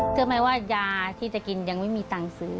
เพราะไม่ว่ายาที่จะกินยังไม่มีเงินการซื้อ